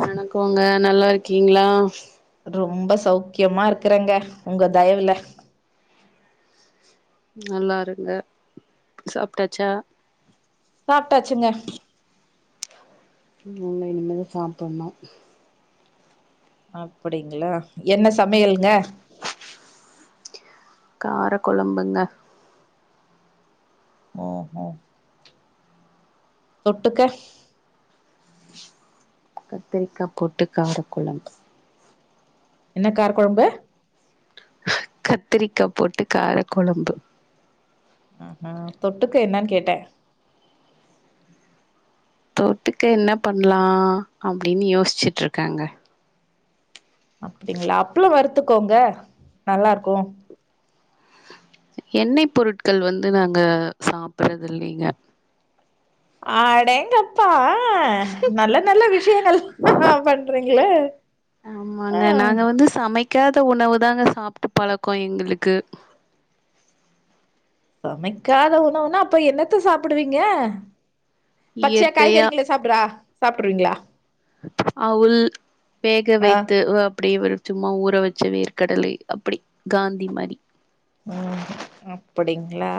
வணக்கங்க நல்லா இருக்கீங்களா ரொம்ப சௌக்கியமா இருக்குறங்க உங்க தயவுல நல்லா இருங்க சாப்ட்டாச்சா சாப்ட்டாச்சுங்க இல்ல இனிமேலு சாப்புட்ணு அப்படிங்களா என்ன சமையல்ங்க காரக்கொழம்புங்க ஓஹோ தொட்டுக்க கத்திரிக்கா போட்டு காரகொழம்பு என்ன கார கொழம்பு கத்திரிக்கா போட்டு கார கொழம்பு தொட்டுக்க என்னன்னு கேட்டே தொட்டுக்க என்ன பண்லா அப்டின்னு யோசிச்சுட்டுருக்கேங்க அப்டிங்களா அப்பளோ வறுத்துக்கோங்க நல்லாருக்கும் எண்ணெய் பொருட்கள் வந்து நாங்க சாப்பறது இல்லிங்க ஆடேங்கப்பா ஆ நல்ல நல்ல விஷயங்கள்லா பண்றீங்களே ஆ ஆமாங்க நாங்க வந்து சமைக்காத உணவு தாங்க சாப்ட்டு பழக்கோ எங்களுக்கு சமைக்காத உணவுனா அப்ப என்னத்த சாப்புடுவீங்க பச்சையா இயற்கையா காய்கறிகள சாப்புட்றா சாப்புடுவீங்களா அவுல் வேக வைத்து ஆ அப்டி ஒரு சும்மா ஊற வச்ச வேர்க்கடலை அப்டி காந்தி மாரி ம் அப்படிங்களா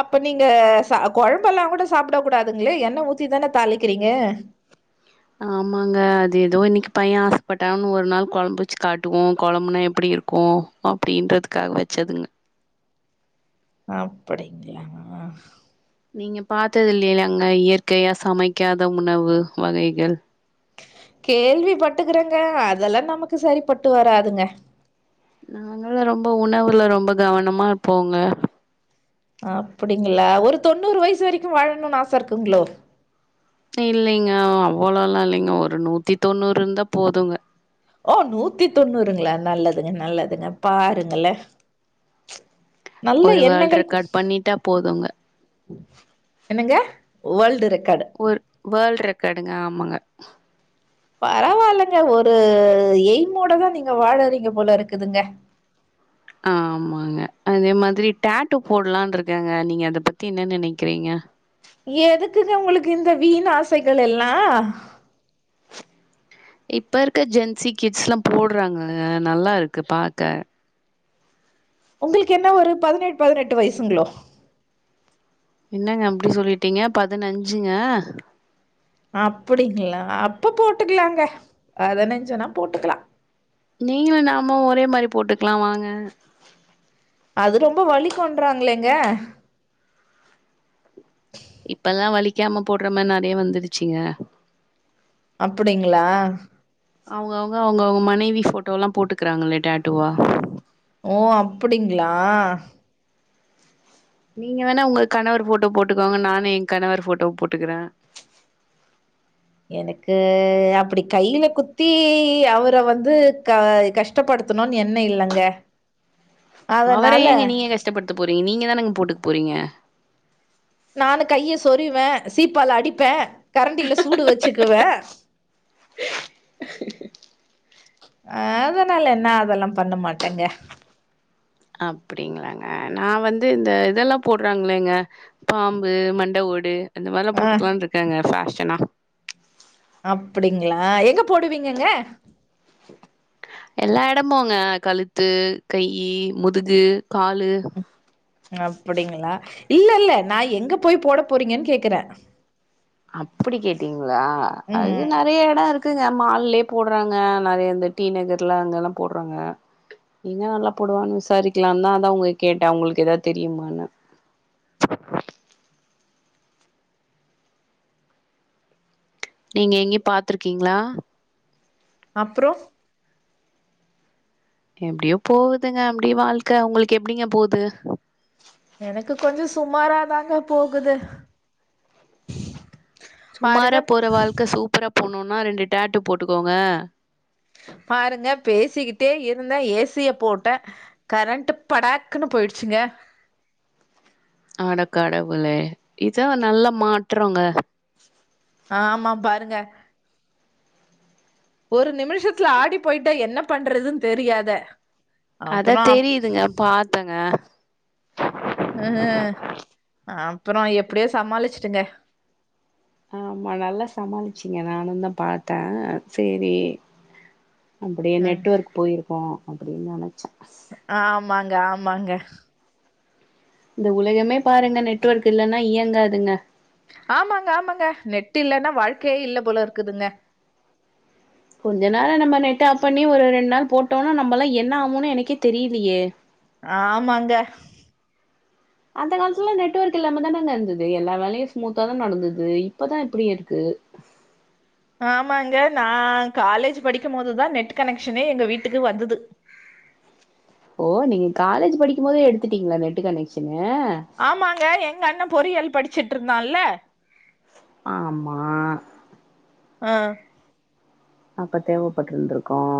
அப்ப நீங்க ச கொழம்பெல்லா கூட சாப்டக்கூடாதுங்களே என்ன ஊத்தி தானே தாளிக்கிறீங்க ஆமாங்க அது எதோ இன்னைக்கு பைய ஆசைப்பட்டான் ஒரு நாள் கொழம்பு வச்சு காட்டுவோ கொழம்புனா எப்டி இருக்கு அப்டின்றதுக்காக வச்சதுங்க அப்டிங்களா நீங்க பாத்தது இல்லைலங்க இயற்கையா சமைக்காத உணவு வகைகள் கேள்வி பட்டுக்கறங்க அதெல்லா நமக்கு சரி பட்டு வராதுங்க நாங்களா ரொம்ப உணவுல ரொம்ப கவனமா இருப்போங்க அப்டிங்களா ஒரு தொண்ணூறு வயசு வரைக்கு வாழணுனு ஆச இருக்குங்ளோ இல்லைங்க அவ்வளோல்லா இல்லைங்க ஒரு நூத்தி தொண்ணூறு இருந்தா போதுங்க ஓ நூத்தி தொண்ணூறுங்களா நல்லதுங்க நல்லதுங்க பாருங்கலெ ஒரு வேல்ட் எண்ணங்கள் கு ரெக்கார்ட் பண்ணிட்டா போதுங்க என்னங்க வேர்ல்டு ரெக்கார்டு வேல்ட் ரெக்கார்டுங்க ஆமாங்க பரவால்லங்க ஒரு எய்மோடதா நீங்க வாழறீங்க போல இருக்குதுங்க ஆமாங்க அதே மாதிரி டேட்டோ போடலானு இருக்கேங்க நீங்க அத பத்தி என்ன நெனைக்கிறீங்க எதுக்குங்க உங்களுக்கு இந்த வீண் ஆசைகள் எல்லா இப்போ இருக்க ஜென்சி கிட்ஸ்லா போடுறாங்கங்க நல்லாருக்கு பாக்க உங்களுக்கு என்ன ஒரு பதினெழ் பதினெட்டு வயசுங்ளோ என்னங்க அப்டி சொல்லிட்டீங்க பதினஞ்சுங்க அப்டிங்களா அப்ப போட்டுக்கலாங்க பதினஞ்சுனா போட்டுக்கலா நீங்களு நாம ஒரே மாரி போட்டுக்கலா வாங்க அது ரொம்ப வலிக்குன்றாங்களேங்க இப்பல்லா வலிக்காம போடுற மாரி நெறைய வந்துடுச்சுங்க அப்டிங்ளா அவங்கவ்ங்க அவங்கவ்ங்க மனைவி ஃபோட்டோல்லா போட்டுக்கிறாங்களே டேட்டுவா ஓ அப்டிங்ளா நீங்க வேணா உங்க கணவர் ஃபோட்டோ போட்டுக்காங்க நானு என் கணவர் ஃபோட்டோ போட்டுக்கறே எனக்கு அப்டி கைல குத்தி அவர வந்து க கஷ் டப்படுத்தணுன்னு எண்ணொ இல்லங்க அவர ஏங்க நீங்க கஷ்டப்படுத்த போறீங்க நீங்க தானேங்க போட்டுக் போறீங்க நானு கைய சொறிவே சீப்பால அடிப்ப கரண்டில சூடு வச்சுக்குவே அ அதனால நா அதெல்லா பண்ண மாட்டேங்க அப்டிங்களாங்க நா வந்து இந்த இதெல்லா போடுறாங்களேங்க பாம்பு மண்ட ஓடு அந்த மார்லா ஆ போட்டுக்கலான் இருக்கங்க ஃபேஷனா அப்டிங்களா எங்க போடுவீங்கங்க எல்லா எடமுங்க கழுத்து கை முதுகு காலு அப்படிங்களா இல்ல இல்ல நா எங்க போய் போட போறீங்கன் கேக்குறே அப்டி கேட்டீங்களா அது ம் நெறைய எடோ இருக்குங்க மால்லே போடுறாங்க நெறைய இந்த டி நகர்ல அங்கல்லாம் போடுறாங்க எங்க நல்லா போடுவான்னு விசாரிக்கலான்தா அதா உங்கட கேட்டே உங்களுக்கு எதாவ்து தெரியுமானு நீங்க எங்கேயு பாத்துருக்கீங்ளா அப்றோ எப்டியோ போகுதுங்க அப்டியே வாழ்க்க உங்களுக்கு எப்டிங்க போது எனக்கு கொஞ்ச சுமாராதாங்க போகுது பாருங்க சுமாரா போற வாழ்க்கை சூப்பரா போணுன்னா ரெண்டு டேட்டு போட்டுக்கோங்க பாருங்க பேசிக்கிட்டே இருந்தே ஏசிய போட்ட கரண்ட் படாகுனு போயிடுச்சுங்க அட கடவுளே இதான் நல்லா மாற்றன்ங்க ஆ் ஆமா பாருங்க ஒரு நிமிஷத்துல ஆடி போயிட்ட என்ன பண்றதுன்னு தெரியாத அதா அப்றோ தெரியுதுங்க பாத்தங்க ம் அப்றம் எப்டியோ சமாளிச்சுட்டுங்க ஆமா நல்லா சமாளிச்சீங்க நானும் தா பாத்தே சரி அப்டியே ம் நெட்ஒர்க் போயிருக்கும் அப்டின்னு நனச்சேன் ஆமாங்க ஆமாங்க இந்த உலகமே பாருங்க நெட்ஒர்க் இல்லன்னா இயங்காதுங்க ஆமாங்க ஆமாங்க நெட்டு் இல்லன்னா வாழ்க்கயே இல்ல போலர்க்குதுங்க கொஞ்ச நேரம் நம்ம நெட்ட ஆப் பண்ணி ஒரு ரெண்டு நாள் போட்டோம்னா நம்மளாம் என்ன ஆவோம்னு எனக்கே தெரியலயே ஆமாங்க அந்த காலத்துலாம் நெட்ஒர்க் இல்லாம தானே அங்க இருந்தது எல்லா வேலயும் ஸ்மூத்தா தா நடந்தது இப்பதான் இப்டி இருக்கு ஆமாங்க நா காலேஜ் படிக்கும் போதுதான் நெட் கனெக்ஷனே எங்க வீட்டுக்கு வந்தது ஓ நீங்க காலேஜ் படிக்கும் போதே எடுத்துட்டீங்களா நெட்டு் கனெக்சனு ஆமாங்க எங்க அண்னே பொறியல் படிச்சிட்டுருந்தான்ல ஆமா ஆ அப்ப தேவப்பட்டுருந்துருக்கும்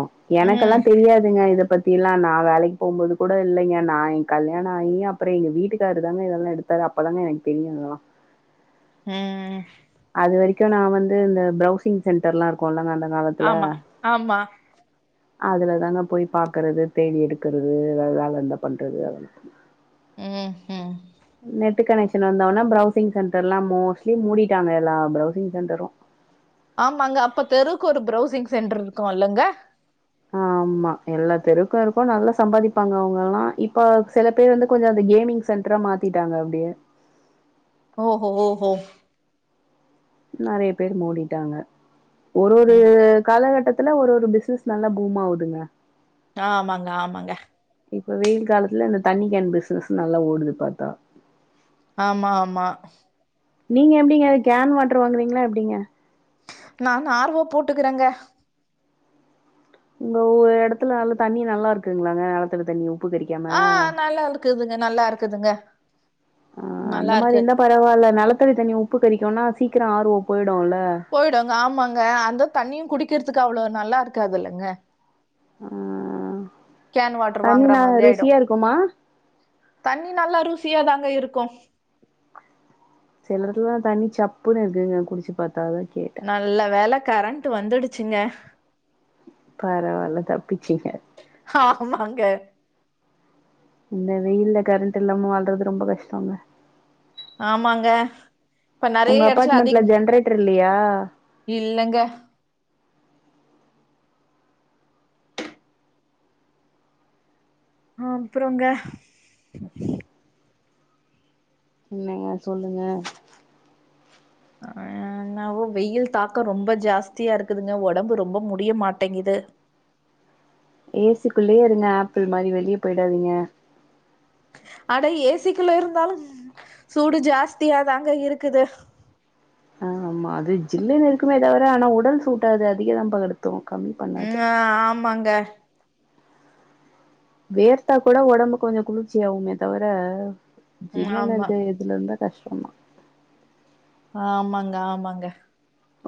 ம், எனக்கெல்லாம் தெரியாது ங்க இதை பத்தி எல்லாம் நா வேலைக்கு போகும்போது கூட இல்லைங்க நா என் கல்யாணம் ஆகி அப்றம் எங்க வீட்டுக்காரரு தாங்க இதெல்லாம் எடுத்து அத அப்பதாங்க எனக்கு தெரியு இதல்லாம் ம் அது வரைக்கும் நா வந்து இந்த ப்ரௌசிங் சென்டர்லாம் இருக்கோம்ல அந்த காலத்துல ஆமா, ஆமா அதுலதாங்க போய் பாக்கறது தேடி எடுக்கறது ஏதாவது வேல இருந்தா பண்றது ம், ம். நெ ட்டு கனெக்சன் வந்தவுனா பிரௌசிங் சென்டர் லாம் மோஸ்ட்லி மூடிட்டாங்க எல்லா பிரௌசிங் சென்டரும் ஆமாங்க அப்ப தெருக்கு ஒரு ப்ரௌசிங் சென்டர் இருக்கும் இல்லங்க ஆமா எல்லா தெருக்கோ இருக்கோ நல்லா சம்பாதிப்பாங்க அவங்க எல்லா இப்ப சில பேர் வந்து கொஞ்சோ அந்த கேமிங் சென்ரா மாத்திட்டாங்க அப்டியே ஓஹோ ஹோ ஹோ நறைய பேர் மூடிட்டாங்க ஒரு ஒரு ம். காலகட்டத் த்துல ஒரு ஒரு பிசினஸ் நல்ல பூமாவுதுங்க ஆமாங்க ஆமாங்க இப்ப வெயி காலத்துல இந்த தண்ணி கேன் பிசினஸ் நல்லா ஓடுது பாத்தா ஆமா ஆமா நீங்க எப்டிங்க கேன் வாட்டர் வாங்கறீங்களா எப்டிங்க நா ஆர் வோ போட்டுக்கறேங்க உங்க ஓர் எடத்துல நல்ல தண்ணி நல்லா இருக்குங்களாங்க நெலத்தடி தண்ணி உப்பு கரிக்காம ஆ நல்லா இருக்குதுங்க நல்லா இருக்குதுங்க ஆ அந்த நல்லா மாரி இருக்கு. இந்தா பரவால்ல நெலத்தடி தண்ணி உப்பு கறிக்கும்னா சீக்கிரோ ஆர்வோ போயிடுல்ல போயிடுங்க ஆமாங்க அந்த தண்ணியு குடிக்கிறதுக்கு அவ்ளோ நல்லாருகாதுலங்க ஆ கேன் வாட்டர் தண்ணி வாங்குற நா மாதிரி ஆயிடு ருசியா இருக்குமா தண்ணி நல்லா ருசியாதாங்க இருக்கு சிலர்லா தண்ணி சப்புன்னு இருக்குங்க குடிச்சு பாத்தா அதா கே நல்ல வேல கரண்ட்டு வந்துடுச்சுங்க பரவால்ல தப்பிச்சிங்க ஆமாங்க இந்த வெயில்ல கரண்ட் இல்லாம வாழ்றது ரொம்ப கஸ்டோங்க ஆமாங்க இப்ப நெறைய உங்க எடத்துல அப்பார்ட்மெண்ட்ல அதிகம் ஜென்ரேட்டர் இல்லையா இல்லங்க ஆ அப்றோங்க [inaudible] என்னங்க சொல்லுங்க ஆ அ என்னாவோ வெயில் தாக்கோ ரொம்ப ஜாஸ்தியா இருக்குதுங்க ஓடம்பு ரொம்ப முடிய மாட்டேங்குது ஏசிக்குள்ளேயே இருங்க ஆப்பிள் மாரி வெளிய போயிடாதீங்க அட ஏசிக்குள்ள இருந்தாலு சூடு ஜாஸ்தியாதாங்க இருக்குது ஆ ஆமா அது ஜில்லுன்னு இருக்குமே தவர ஆனா உடல் சூட்ட அது அதிக தா படுத்து கம்மி பண்ணாது ம் ஆமாங்க வேர்த்தா கூட ஒடம்பு கொஞ்சோ குளிர்ச்சியாவுமே தவர ம் ஜில்லுன்னு ஆமா இருக்க ந்தா கஷ்டோ தா ஆமாங்க ஆமாங்க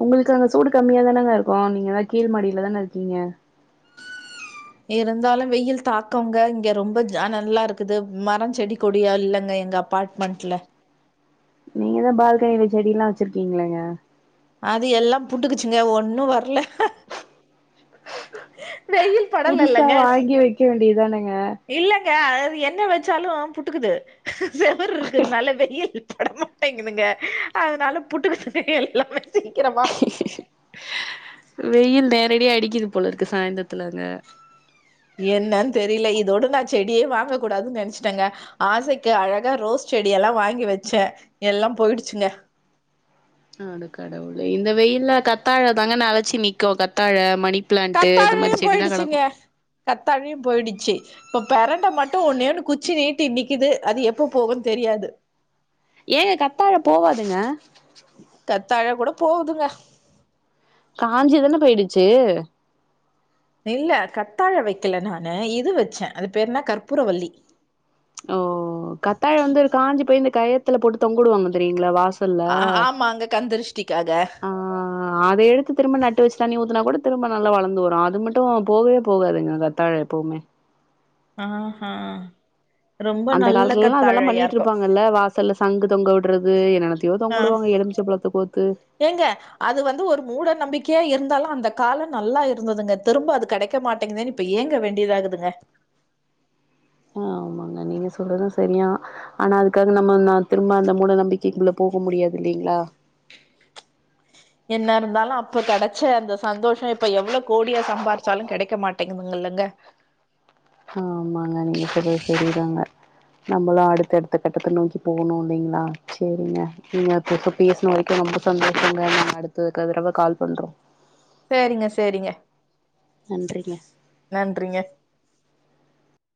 உங்களுக்கு அங்க சூடு கம்மியாதானங்க இருக்கு நீங்க அதா கீழ் மாடில தான இருக்கீங்க இருந்தாலு வெயில் தாக்கோங்க இங்க ரொம்ப அனல்லா இருக்குது மரோ செடி கொடில்லா எங்க அப்பார்ட் மன்ட்ல நீங்கதா பால்கனில செடியெல்லா வச்சிருக்கீங்ளேங்க அது எல்லா புட்டுக்குச்சுங்க ஒன்னு வர்ல வெயில் படல புதுசா இல்லங்க வாங்கி வைக்க வேண்டியதானங்க இல்லங்க அது என்ன வச்சாலு புட்டுக்குது செவர் இருக்குனால வெயில் பட மாட்டேங்குதுங்க அதனால புட்டுகிச்சுக்க எல்லாமே சீக்கிரமா வெயில் நேரடியா அடிக்குது போல இருக்கு சாய்ந்தத்துல அங்க என்னன் தெரியல இதோட நா செடியே வாங்க கூடாதுன்னு நெனச்சுட்டங்க ஆசைக்கு அழகா ரோஸ் செடியெல்லா வாங்கி வச்சே எல்லா போயிடுச்சுங்க அடக்கடவுளே இந்த வெயில்ல கத்தாழ தாங்க நலைச்சி நிக்கு கத்தாழ மணி பிளான்ட்டு இந்த மாரி கத்தாழையும் செடி தா கெடக்கு போயிடுச்சுங்க கத்தாழையு போயிடுச்சு இப்ப பெரண்ட மட்டு ஒன்னே ஒண்ணு குச்சி நீட்டி நிக்குது அது எப்ப போகுன் தெரியாது ஏங்க கத்தாழ போவாதுங்க கத்தாழ கூட போவுதுங்க காஞ்சிதான போயிடுச்சி இல்ல கத்தாழ வைக்கல நானு இது வச்ச அது பேரு என்ன கற்பூர வல்லி ஓ கத்தாழய வந்து காஞ்சி போய் இந்த கயத்துல போட்டு தொங்க உடுவாங்க தெரியுங்ளா வாஸ் அ ஆமாங்க கண்திருஷ்டிக்காக ஆ ஆ அத எடுத்து திரும்ப நட்டு வச்சு தண்ணி ஊத்தனா கூட திரும்ப நல்லா வளந்து வரு அது மட்டு போவே போகாதுங்க கத்தாழ எப்பவுமே ஆஹ அந்த காலத்துலல்லா அதெல்லா பண்ணிட்டு இருக்கும். இருப்பாங்கல்ல வ சல்ல சங்கு தொங்க விட்றது என்னெத்தையோ ஆ தொங்க விடுவாங்க எலுமிச்ச பழத்த கோத்து ஏங்க அது வந்து ஒரு மூட நம்பிக்கையா இருந்தாலு அந்த காலம் நல்லா இருந்ததுங்க திரும்ப அது கெடைக்க மாட்டேங்குதேன்னு இப்ப ஏங்க வேண்டியதாகுதுங்க ஆ ஆமாங்க நீங்க சொல்றது சரியா ஆனா அதுக்காக நம்ம நா திரும்ப அந்த மூட நம்பிக்கை குள்ள போக முடியாது இல்லைங்களா என்ன இருந்தாலு அப்ப கெடச்ச அந்த சந்தோஷோ இப்ப எவ்ளோ கோடியா சம்பாரிச்சாலு கெடைக்க மாட் டைங்க மங்கல்லங்க அ ஆமாங்க நீங்க சொல்றது சரிதாங்க நம்மளு அடுத்த அடுத்த கட்டத்த நோக்கி போகணு இல்லைங்களா சரிங்க நீங்க ச பேசன வரைக்கு ரொம்ப சந்தோஷங்க நா அடுத்ததுக்கு ரவ கால் சரிங்க சரிங்க நன்றிங்க நன்றிங்க